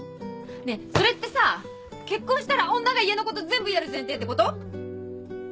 ねえそれってさ結婚したら女が家のこと全部やる前提ってこと？